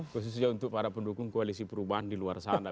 khususnya untuk para pendukung koalisi perubahan di luar sana